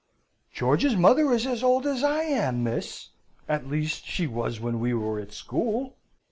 "George's mother is as old as I am, miss! at least she was when we were at school.